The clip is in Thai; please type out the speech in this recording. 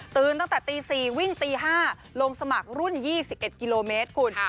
ตั้งแต่ตี๔วิ่งตี๕ลงสมัครรุ่น๒๑กิโลเมตรคุณ